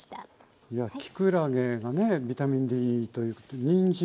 きくらげがねビタミンＤということでにんじん